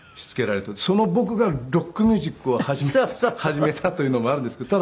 その僕がロックミュージックを始めたというのもあるんですけど。